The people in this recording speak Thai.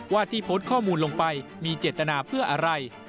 ว่าที่โพสต์ข้อมูลลงไปมีเจตนาเพื่ออะไร